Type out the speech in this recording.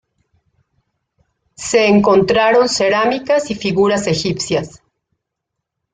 Se encontraron cerámicas y figuras egipcias.